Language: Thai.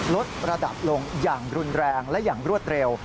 ลดระดับลงอย่างรุนแรงและอย่างรวดเร็ว